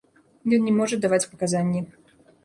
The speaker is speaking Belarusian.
Ён не можа даваць паказанні.